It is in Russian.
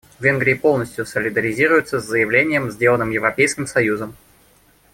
Венгрии полностью солидаризируется с заявлением, сделанным Европейским союзом.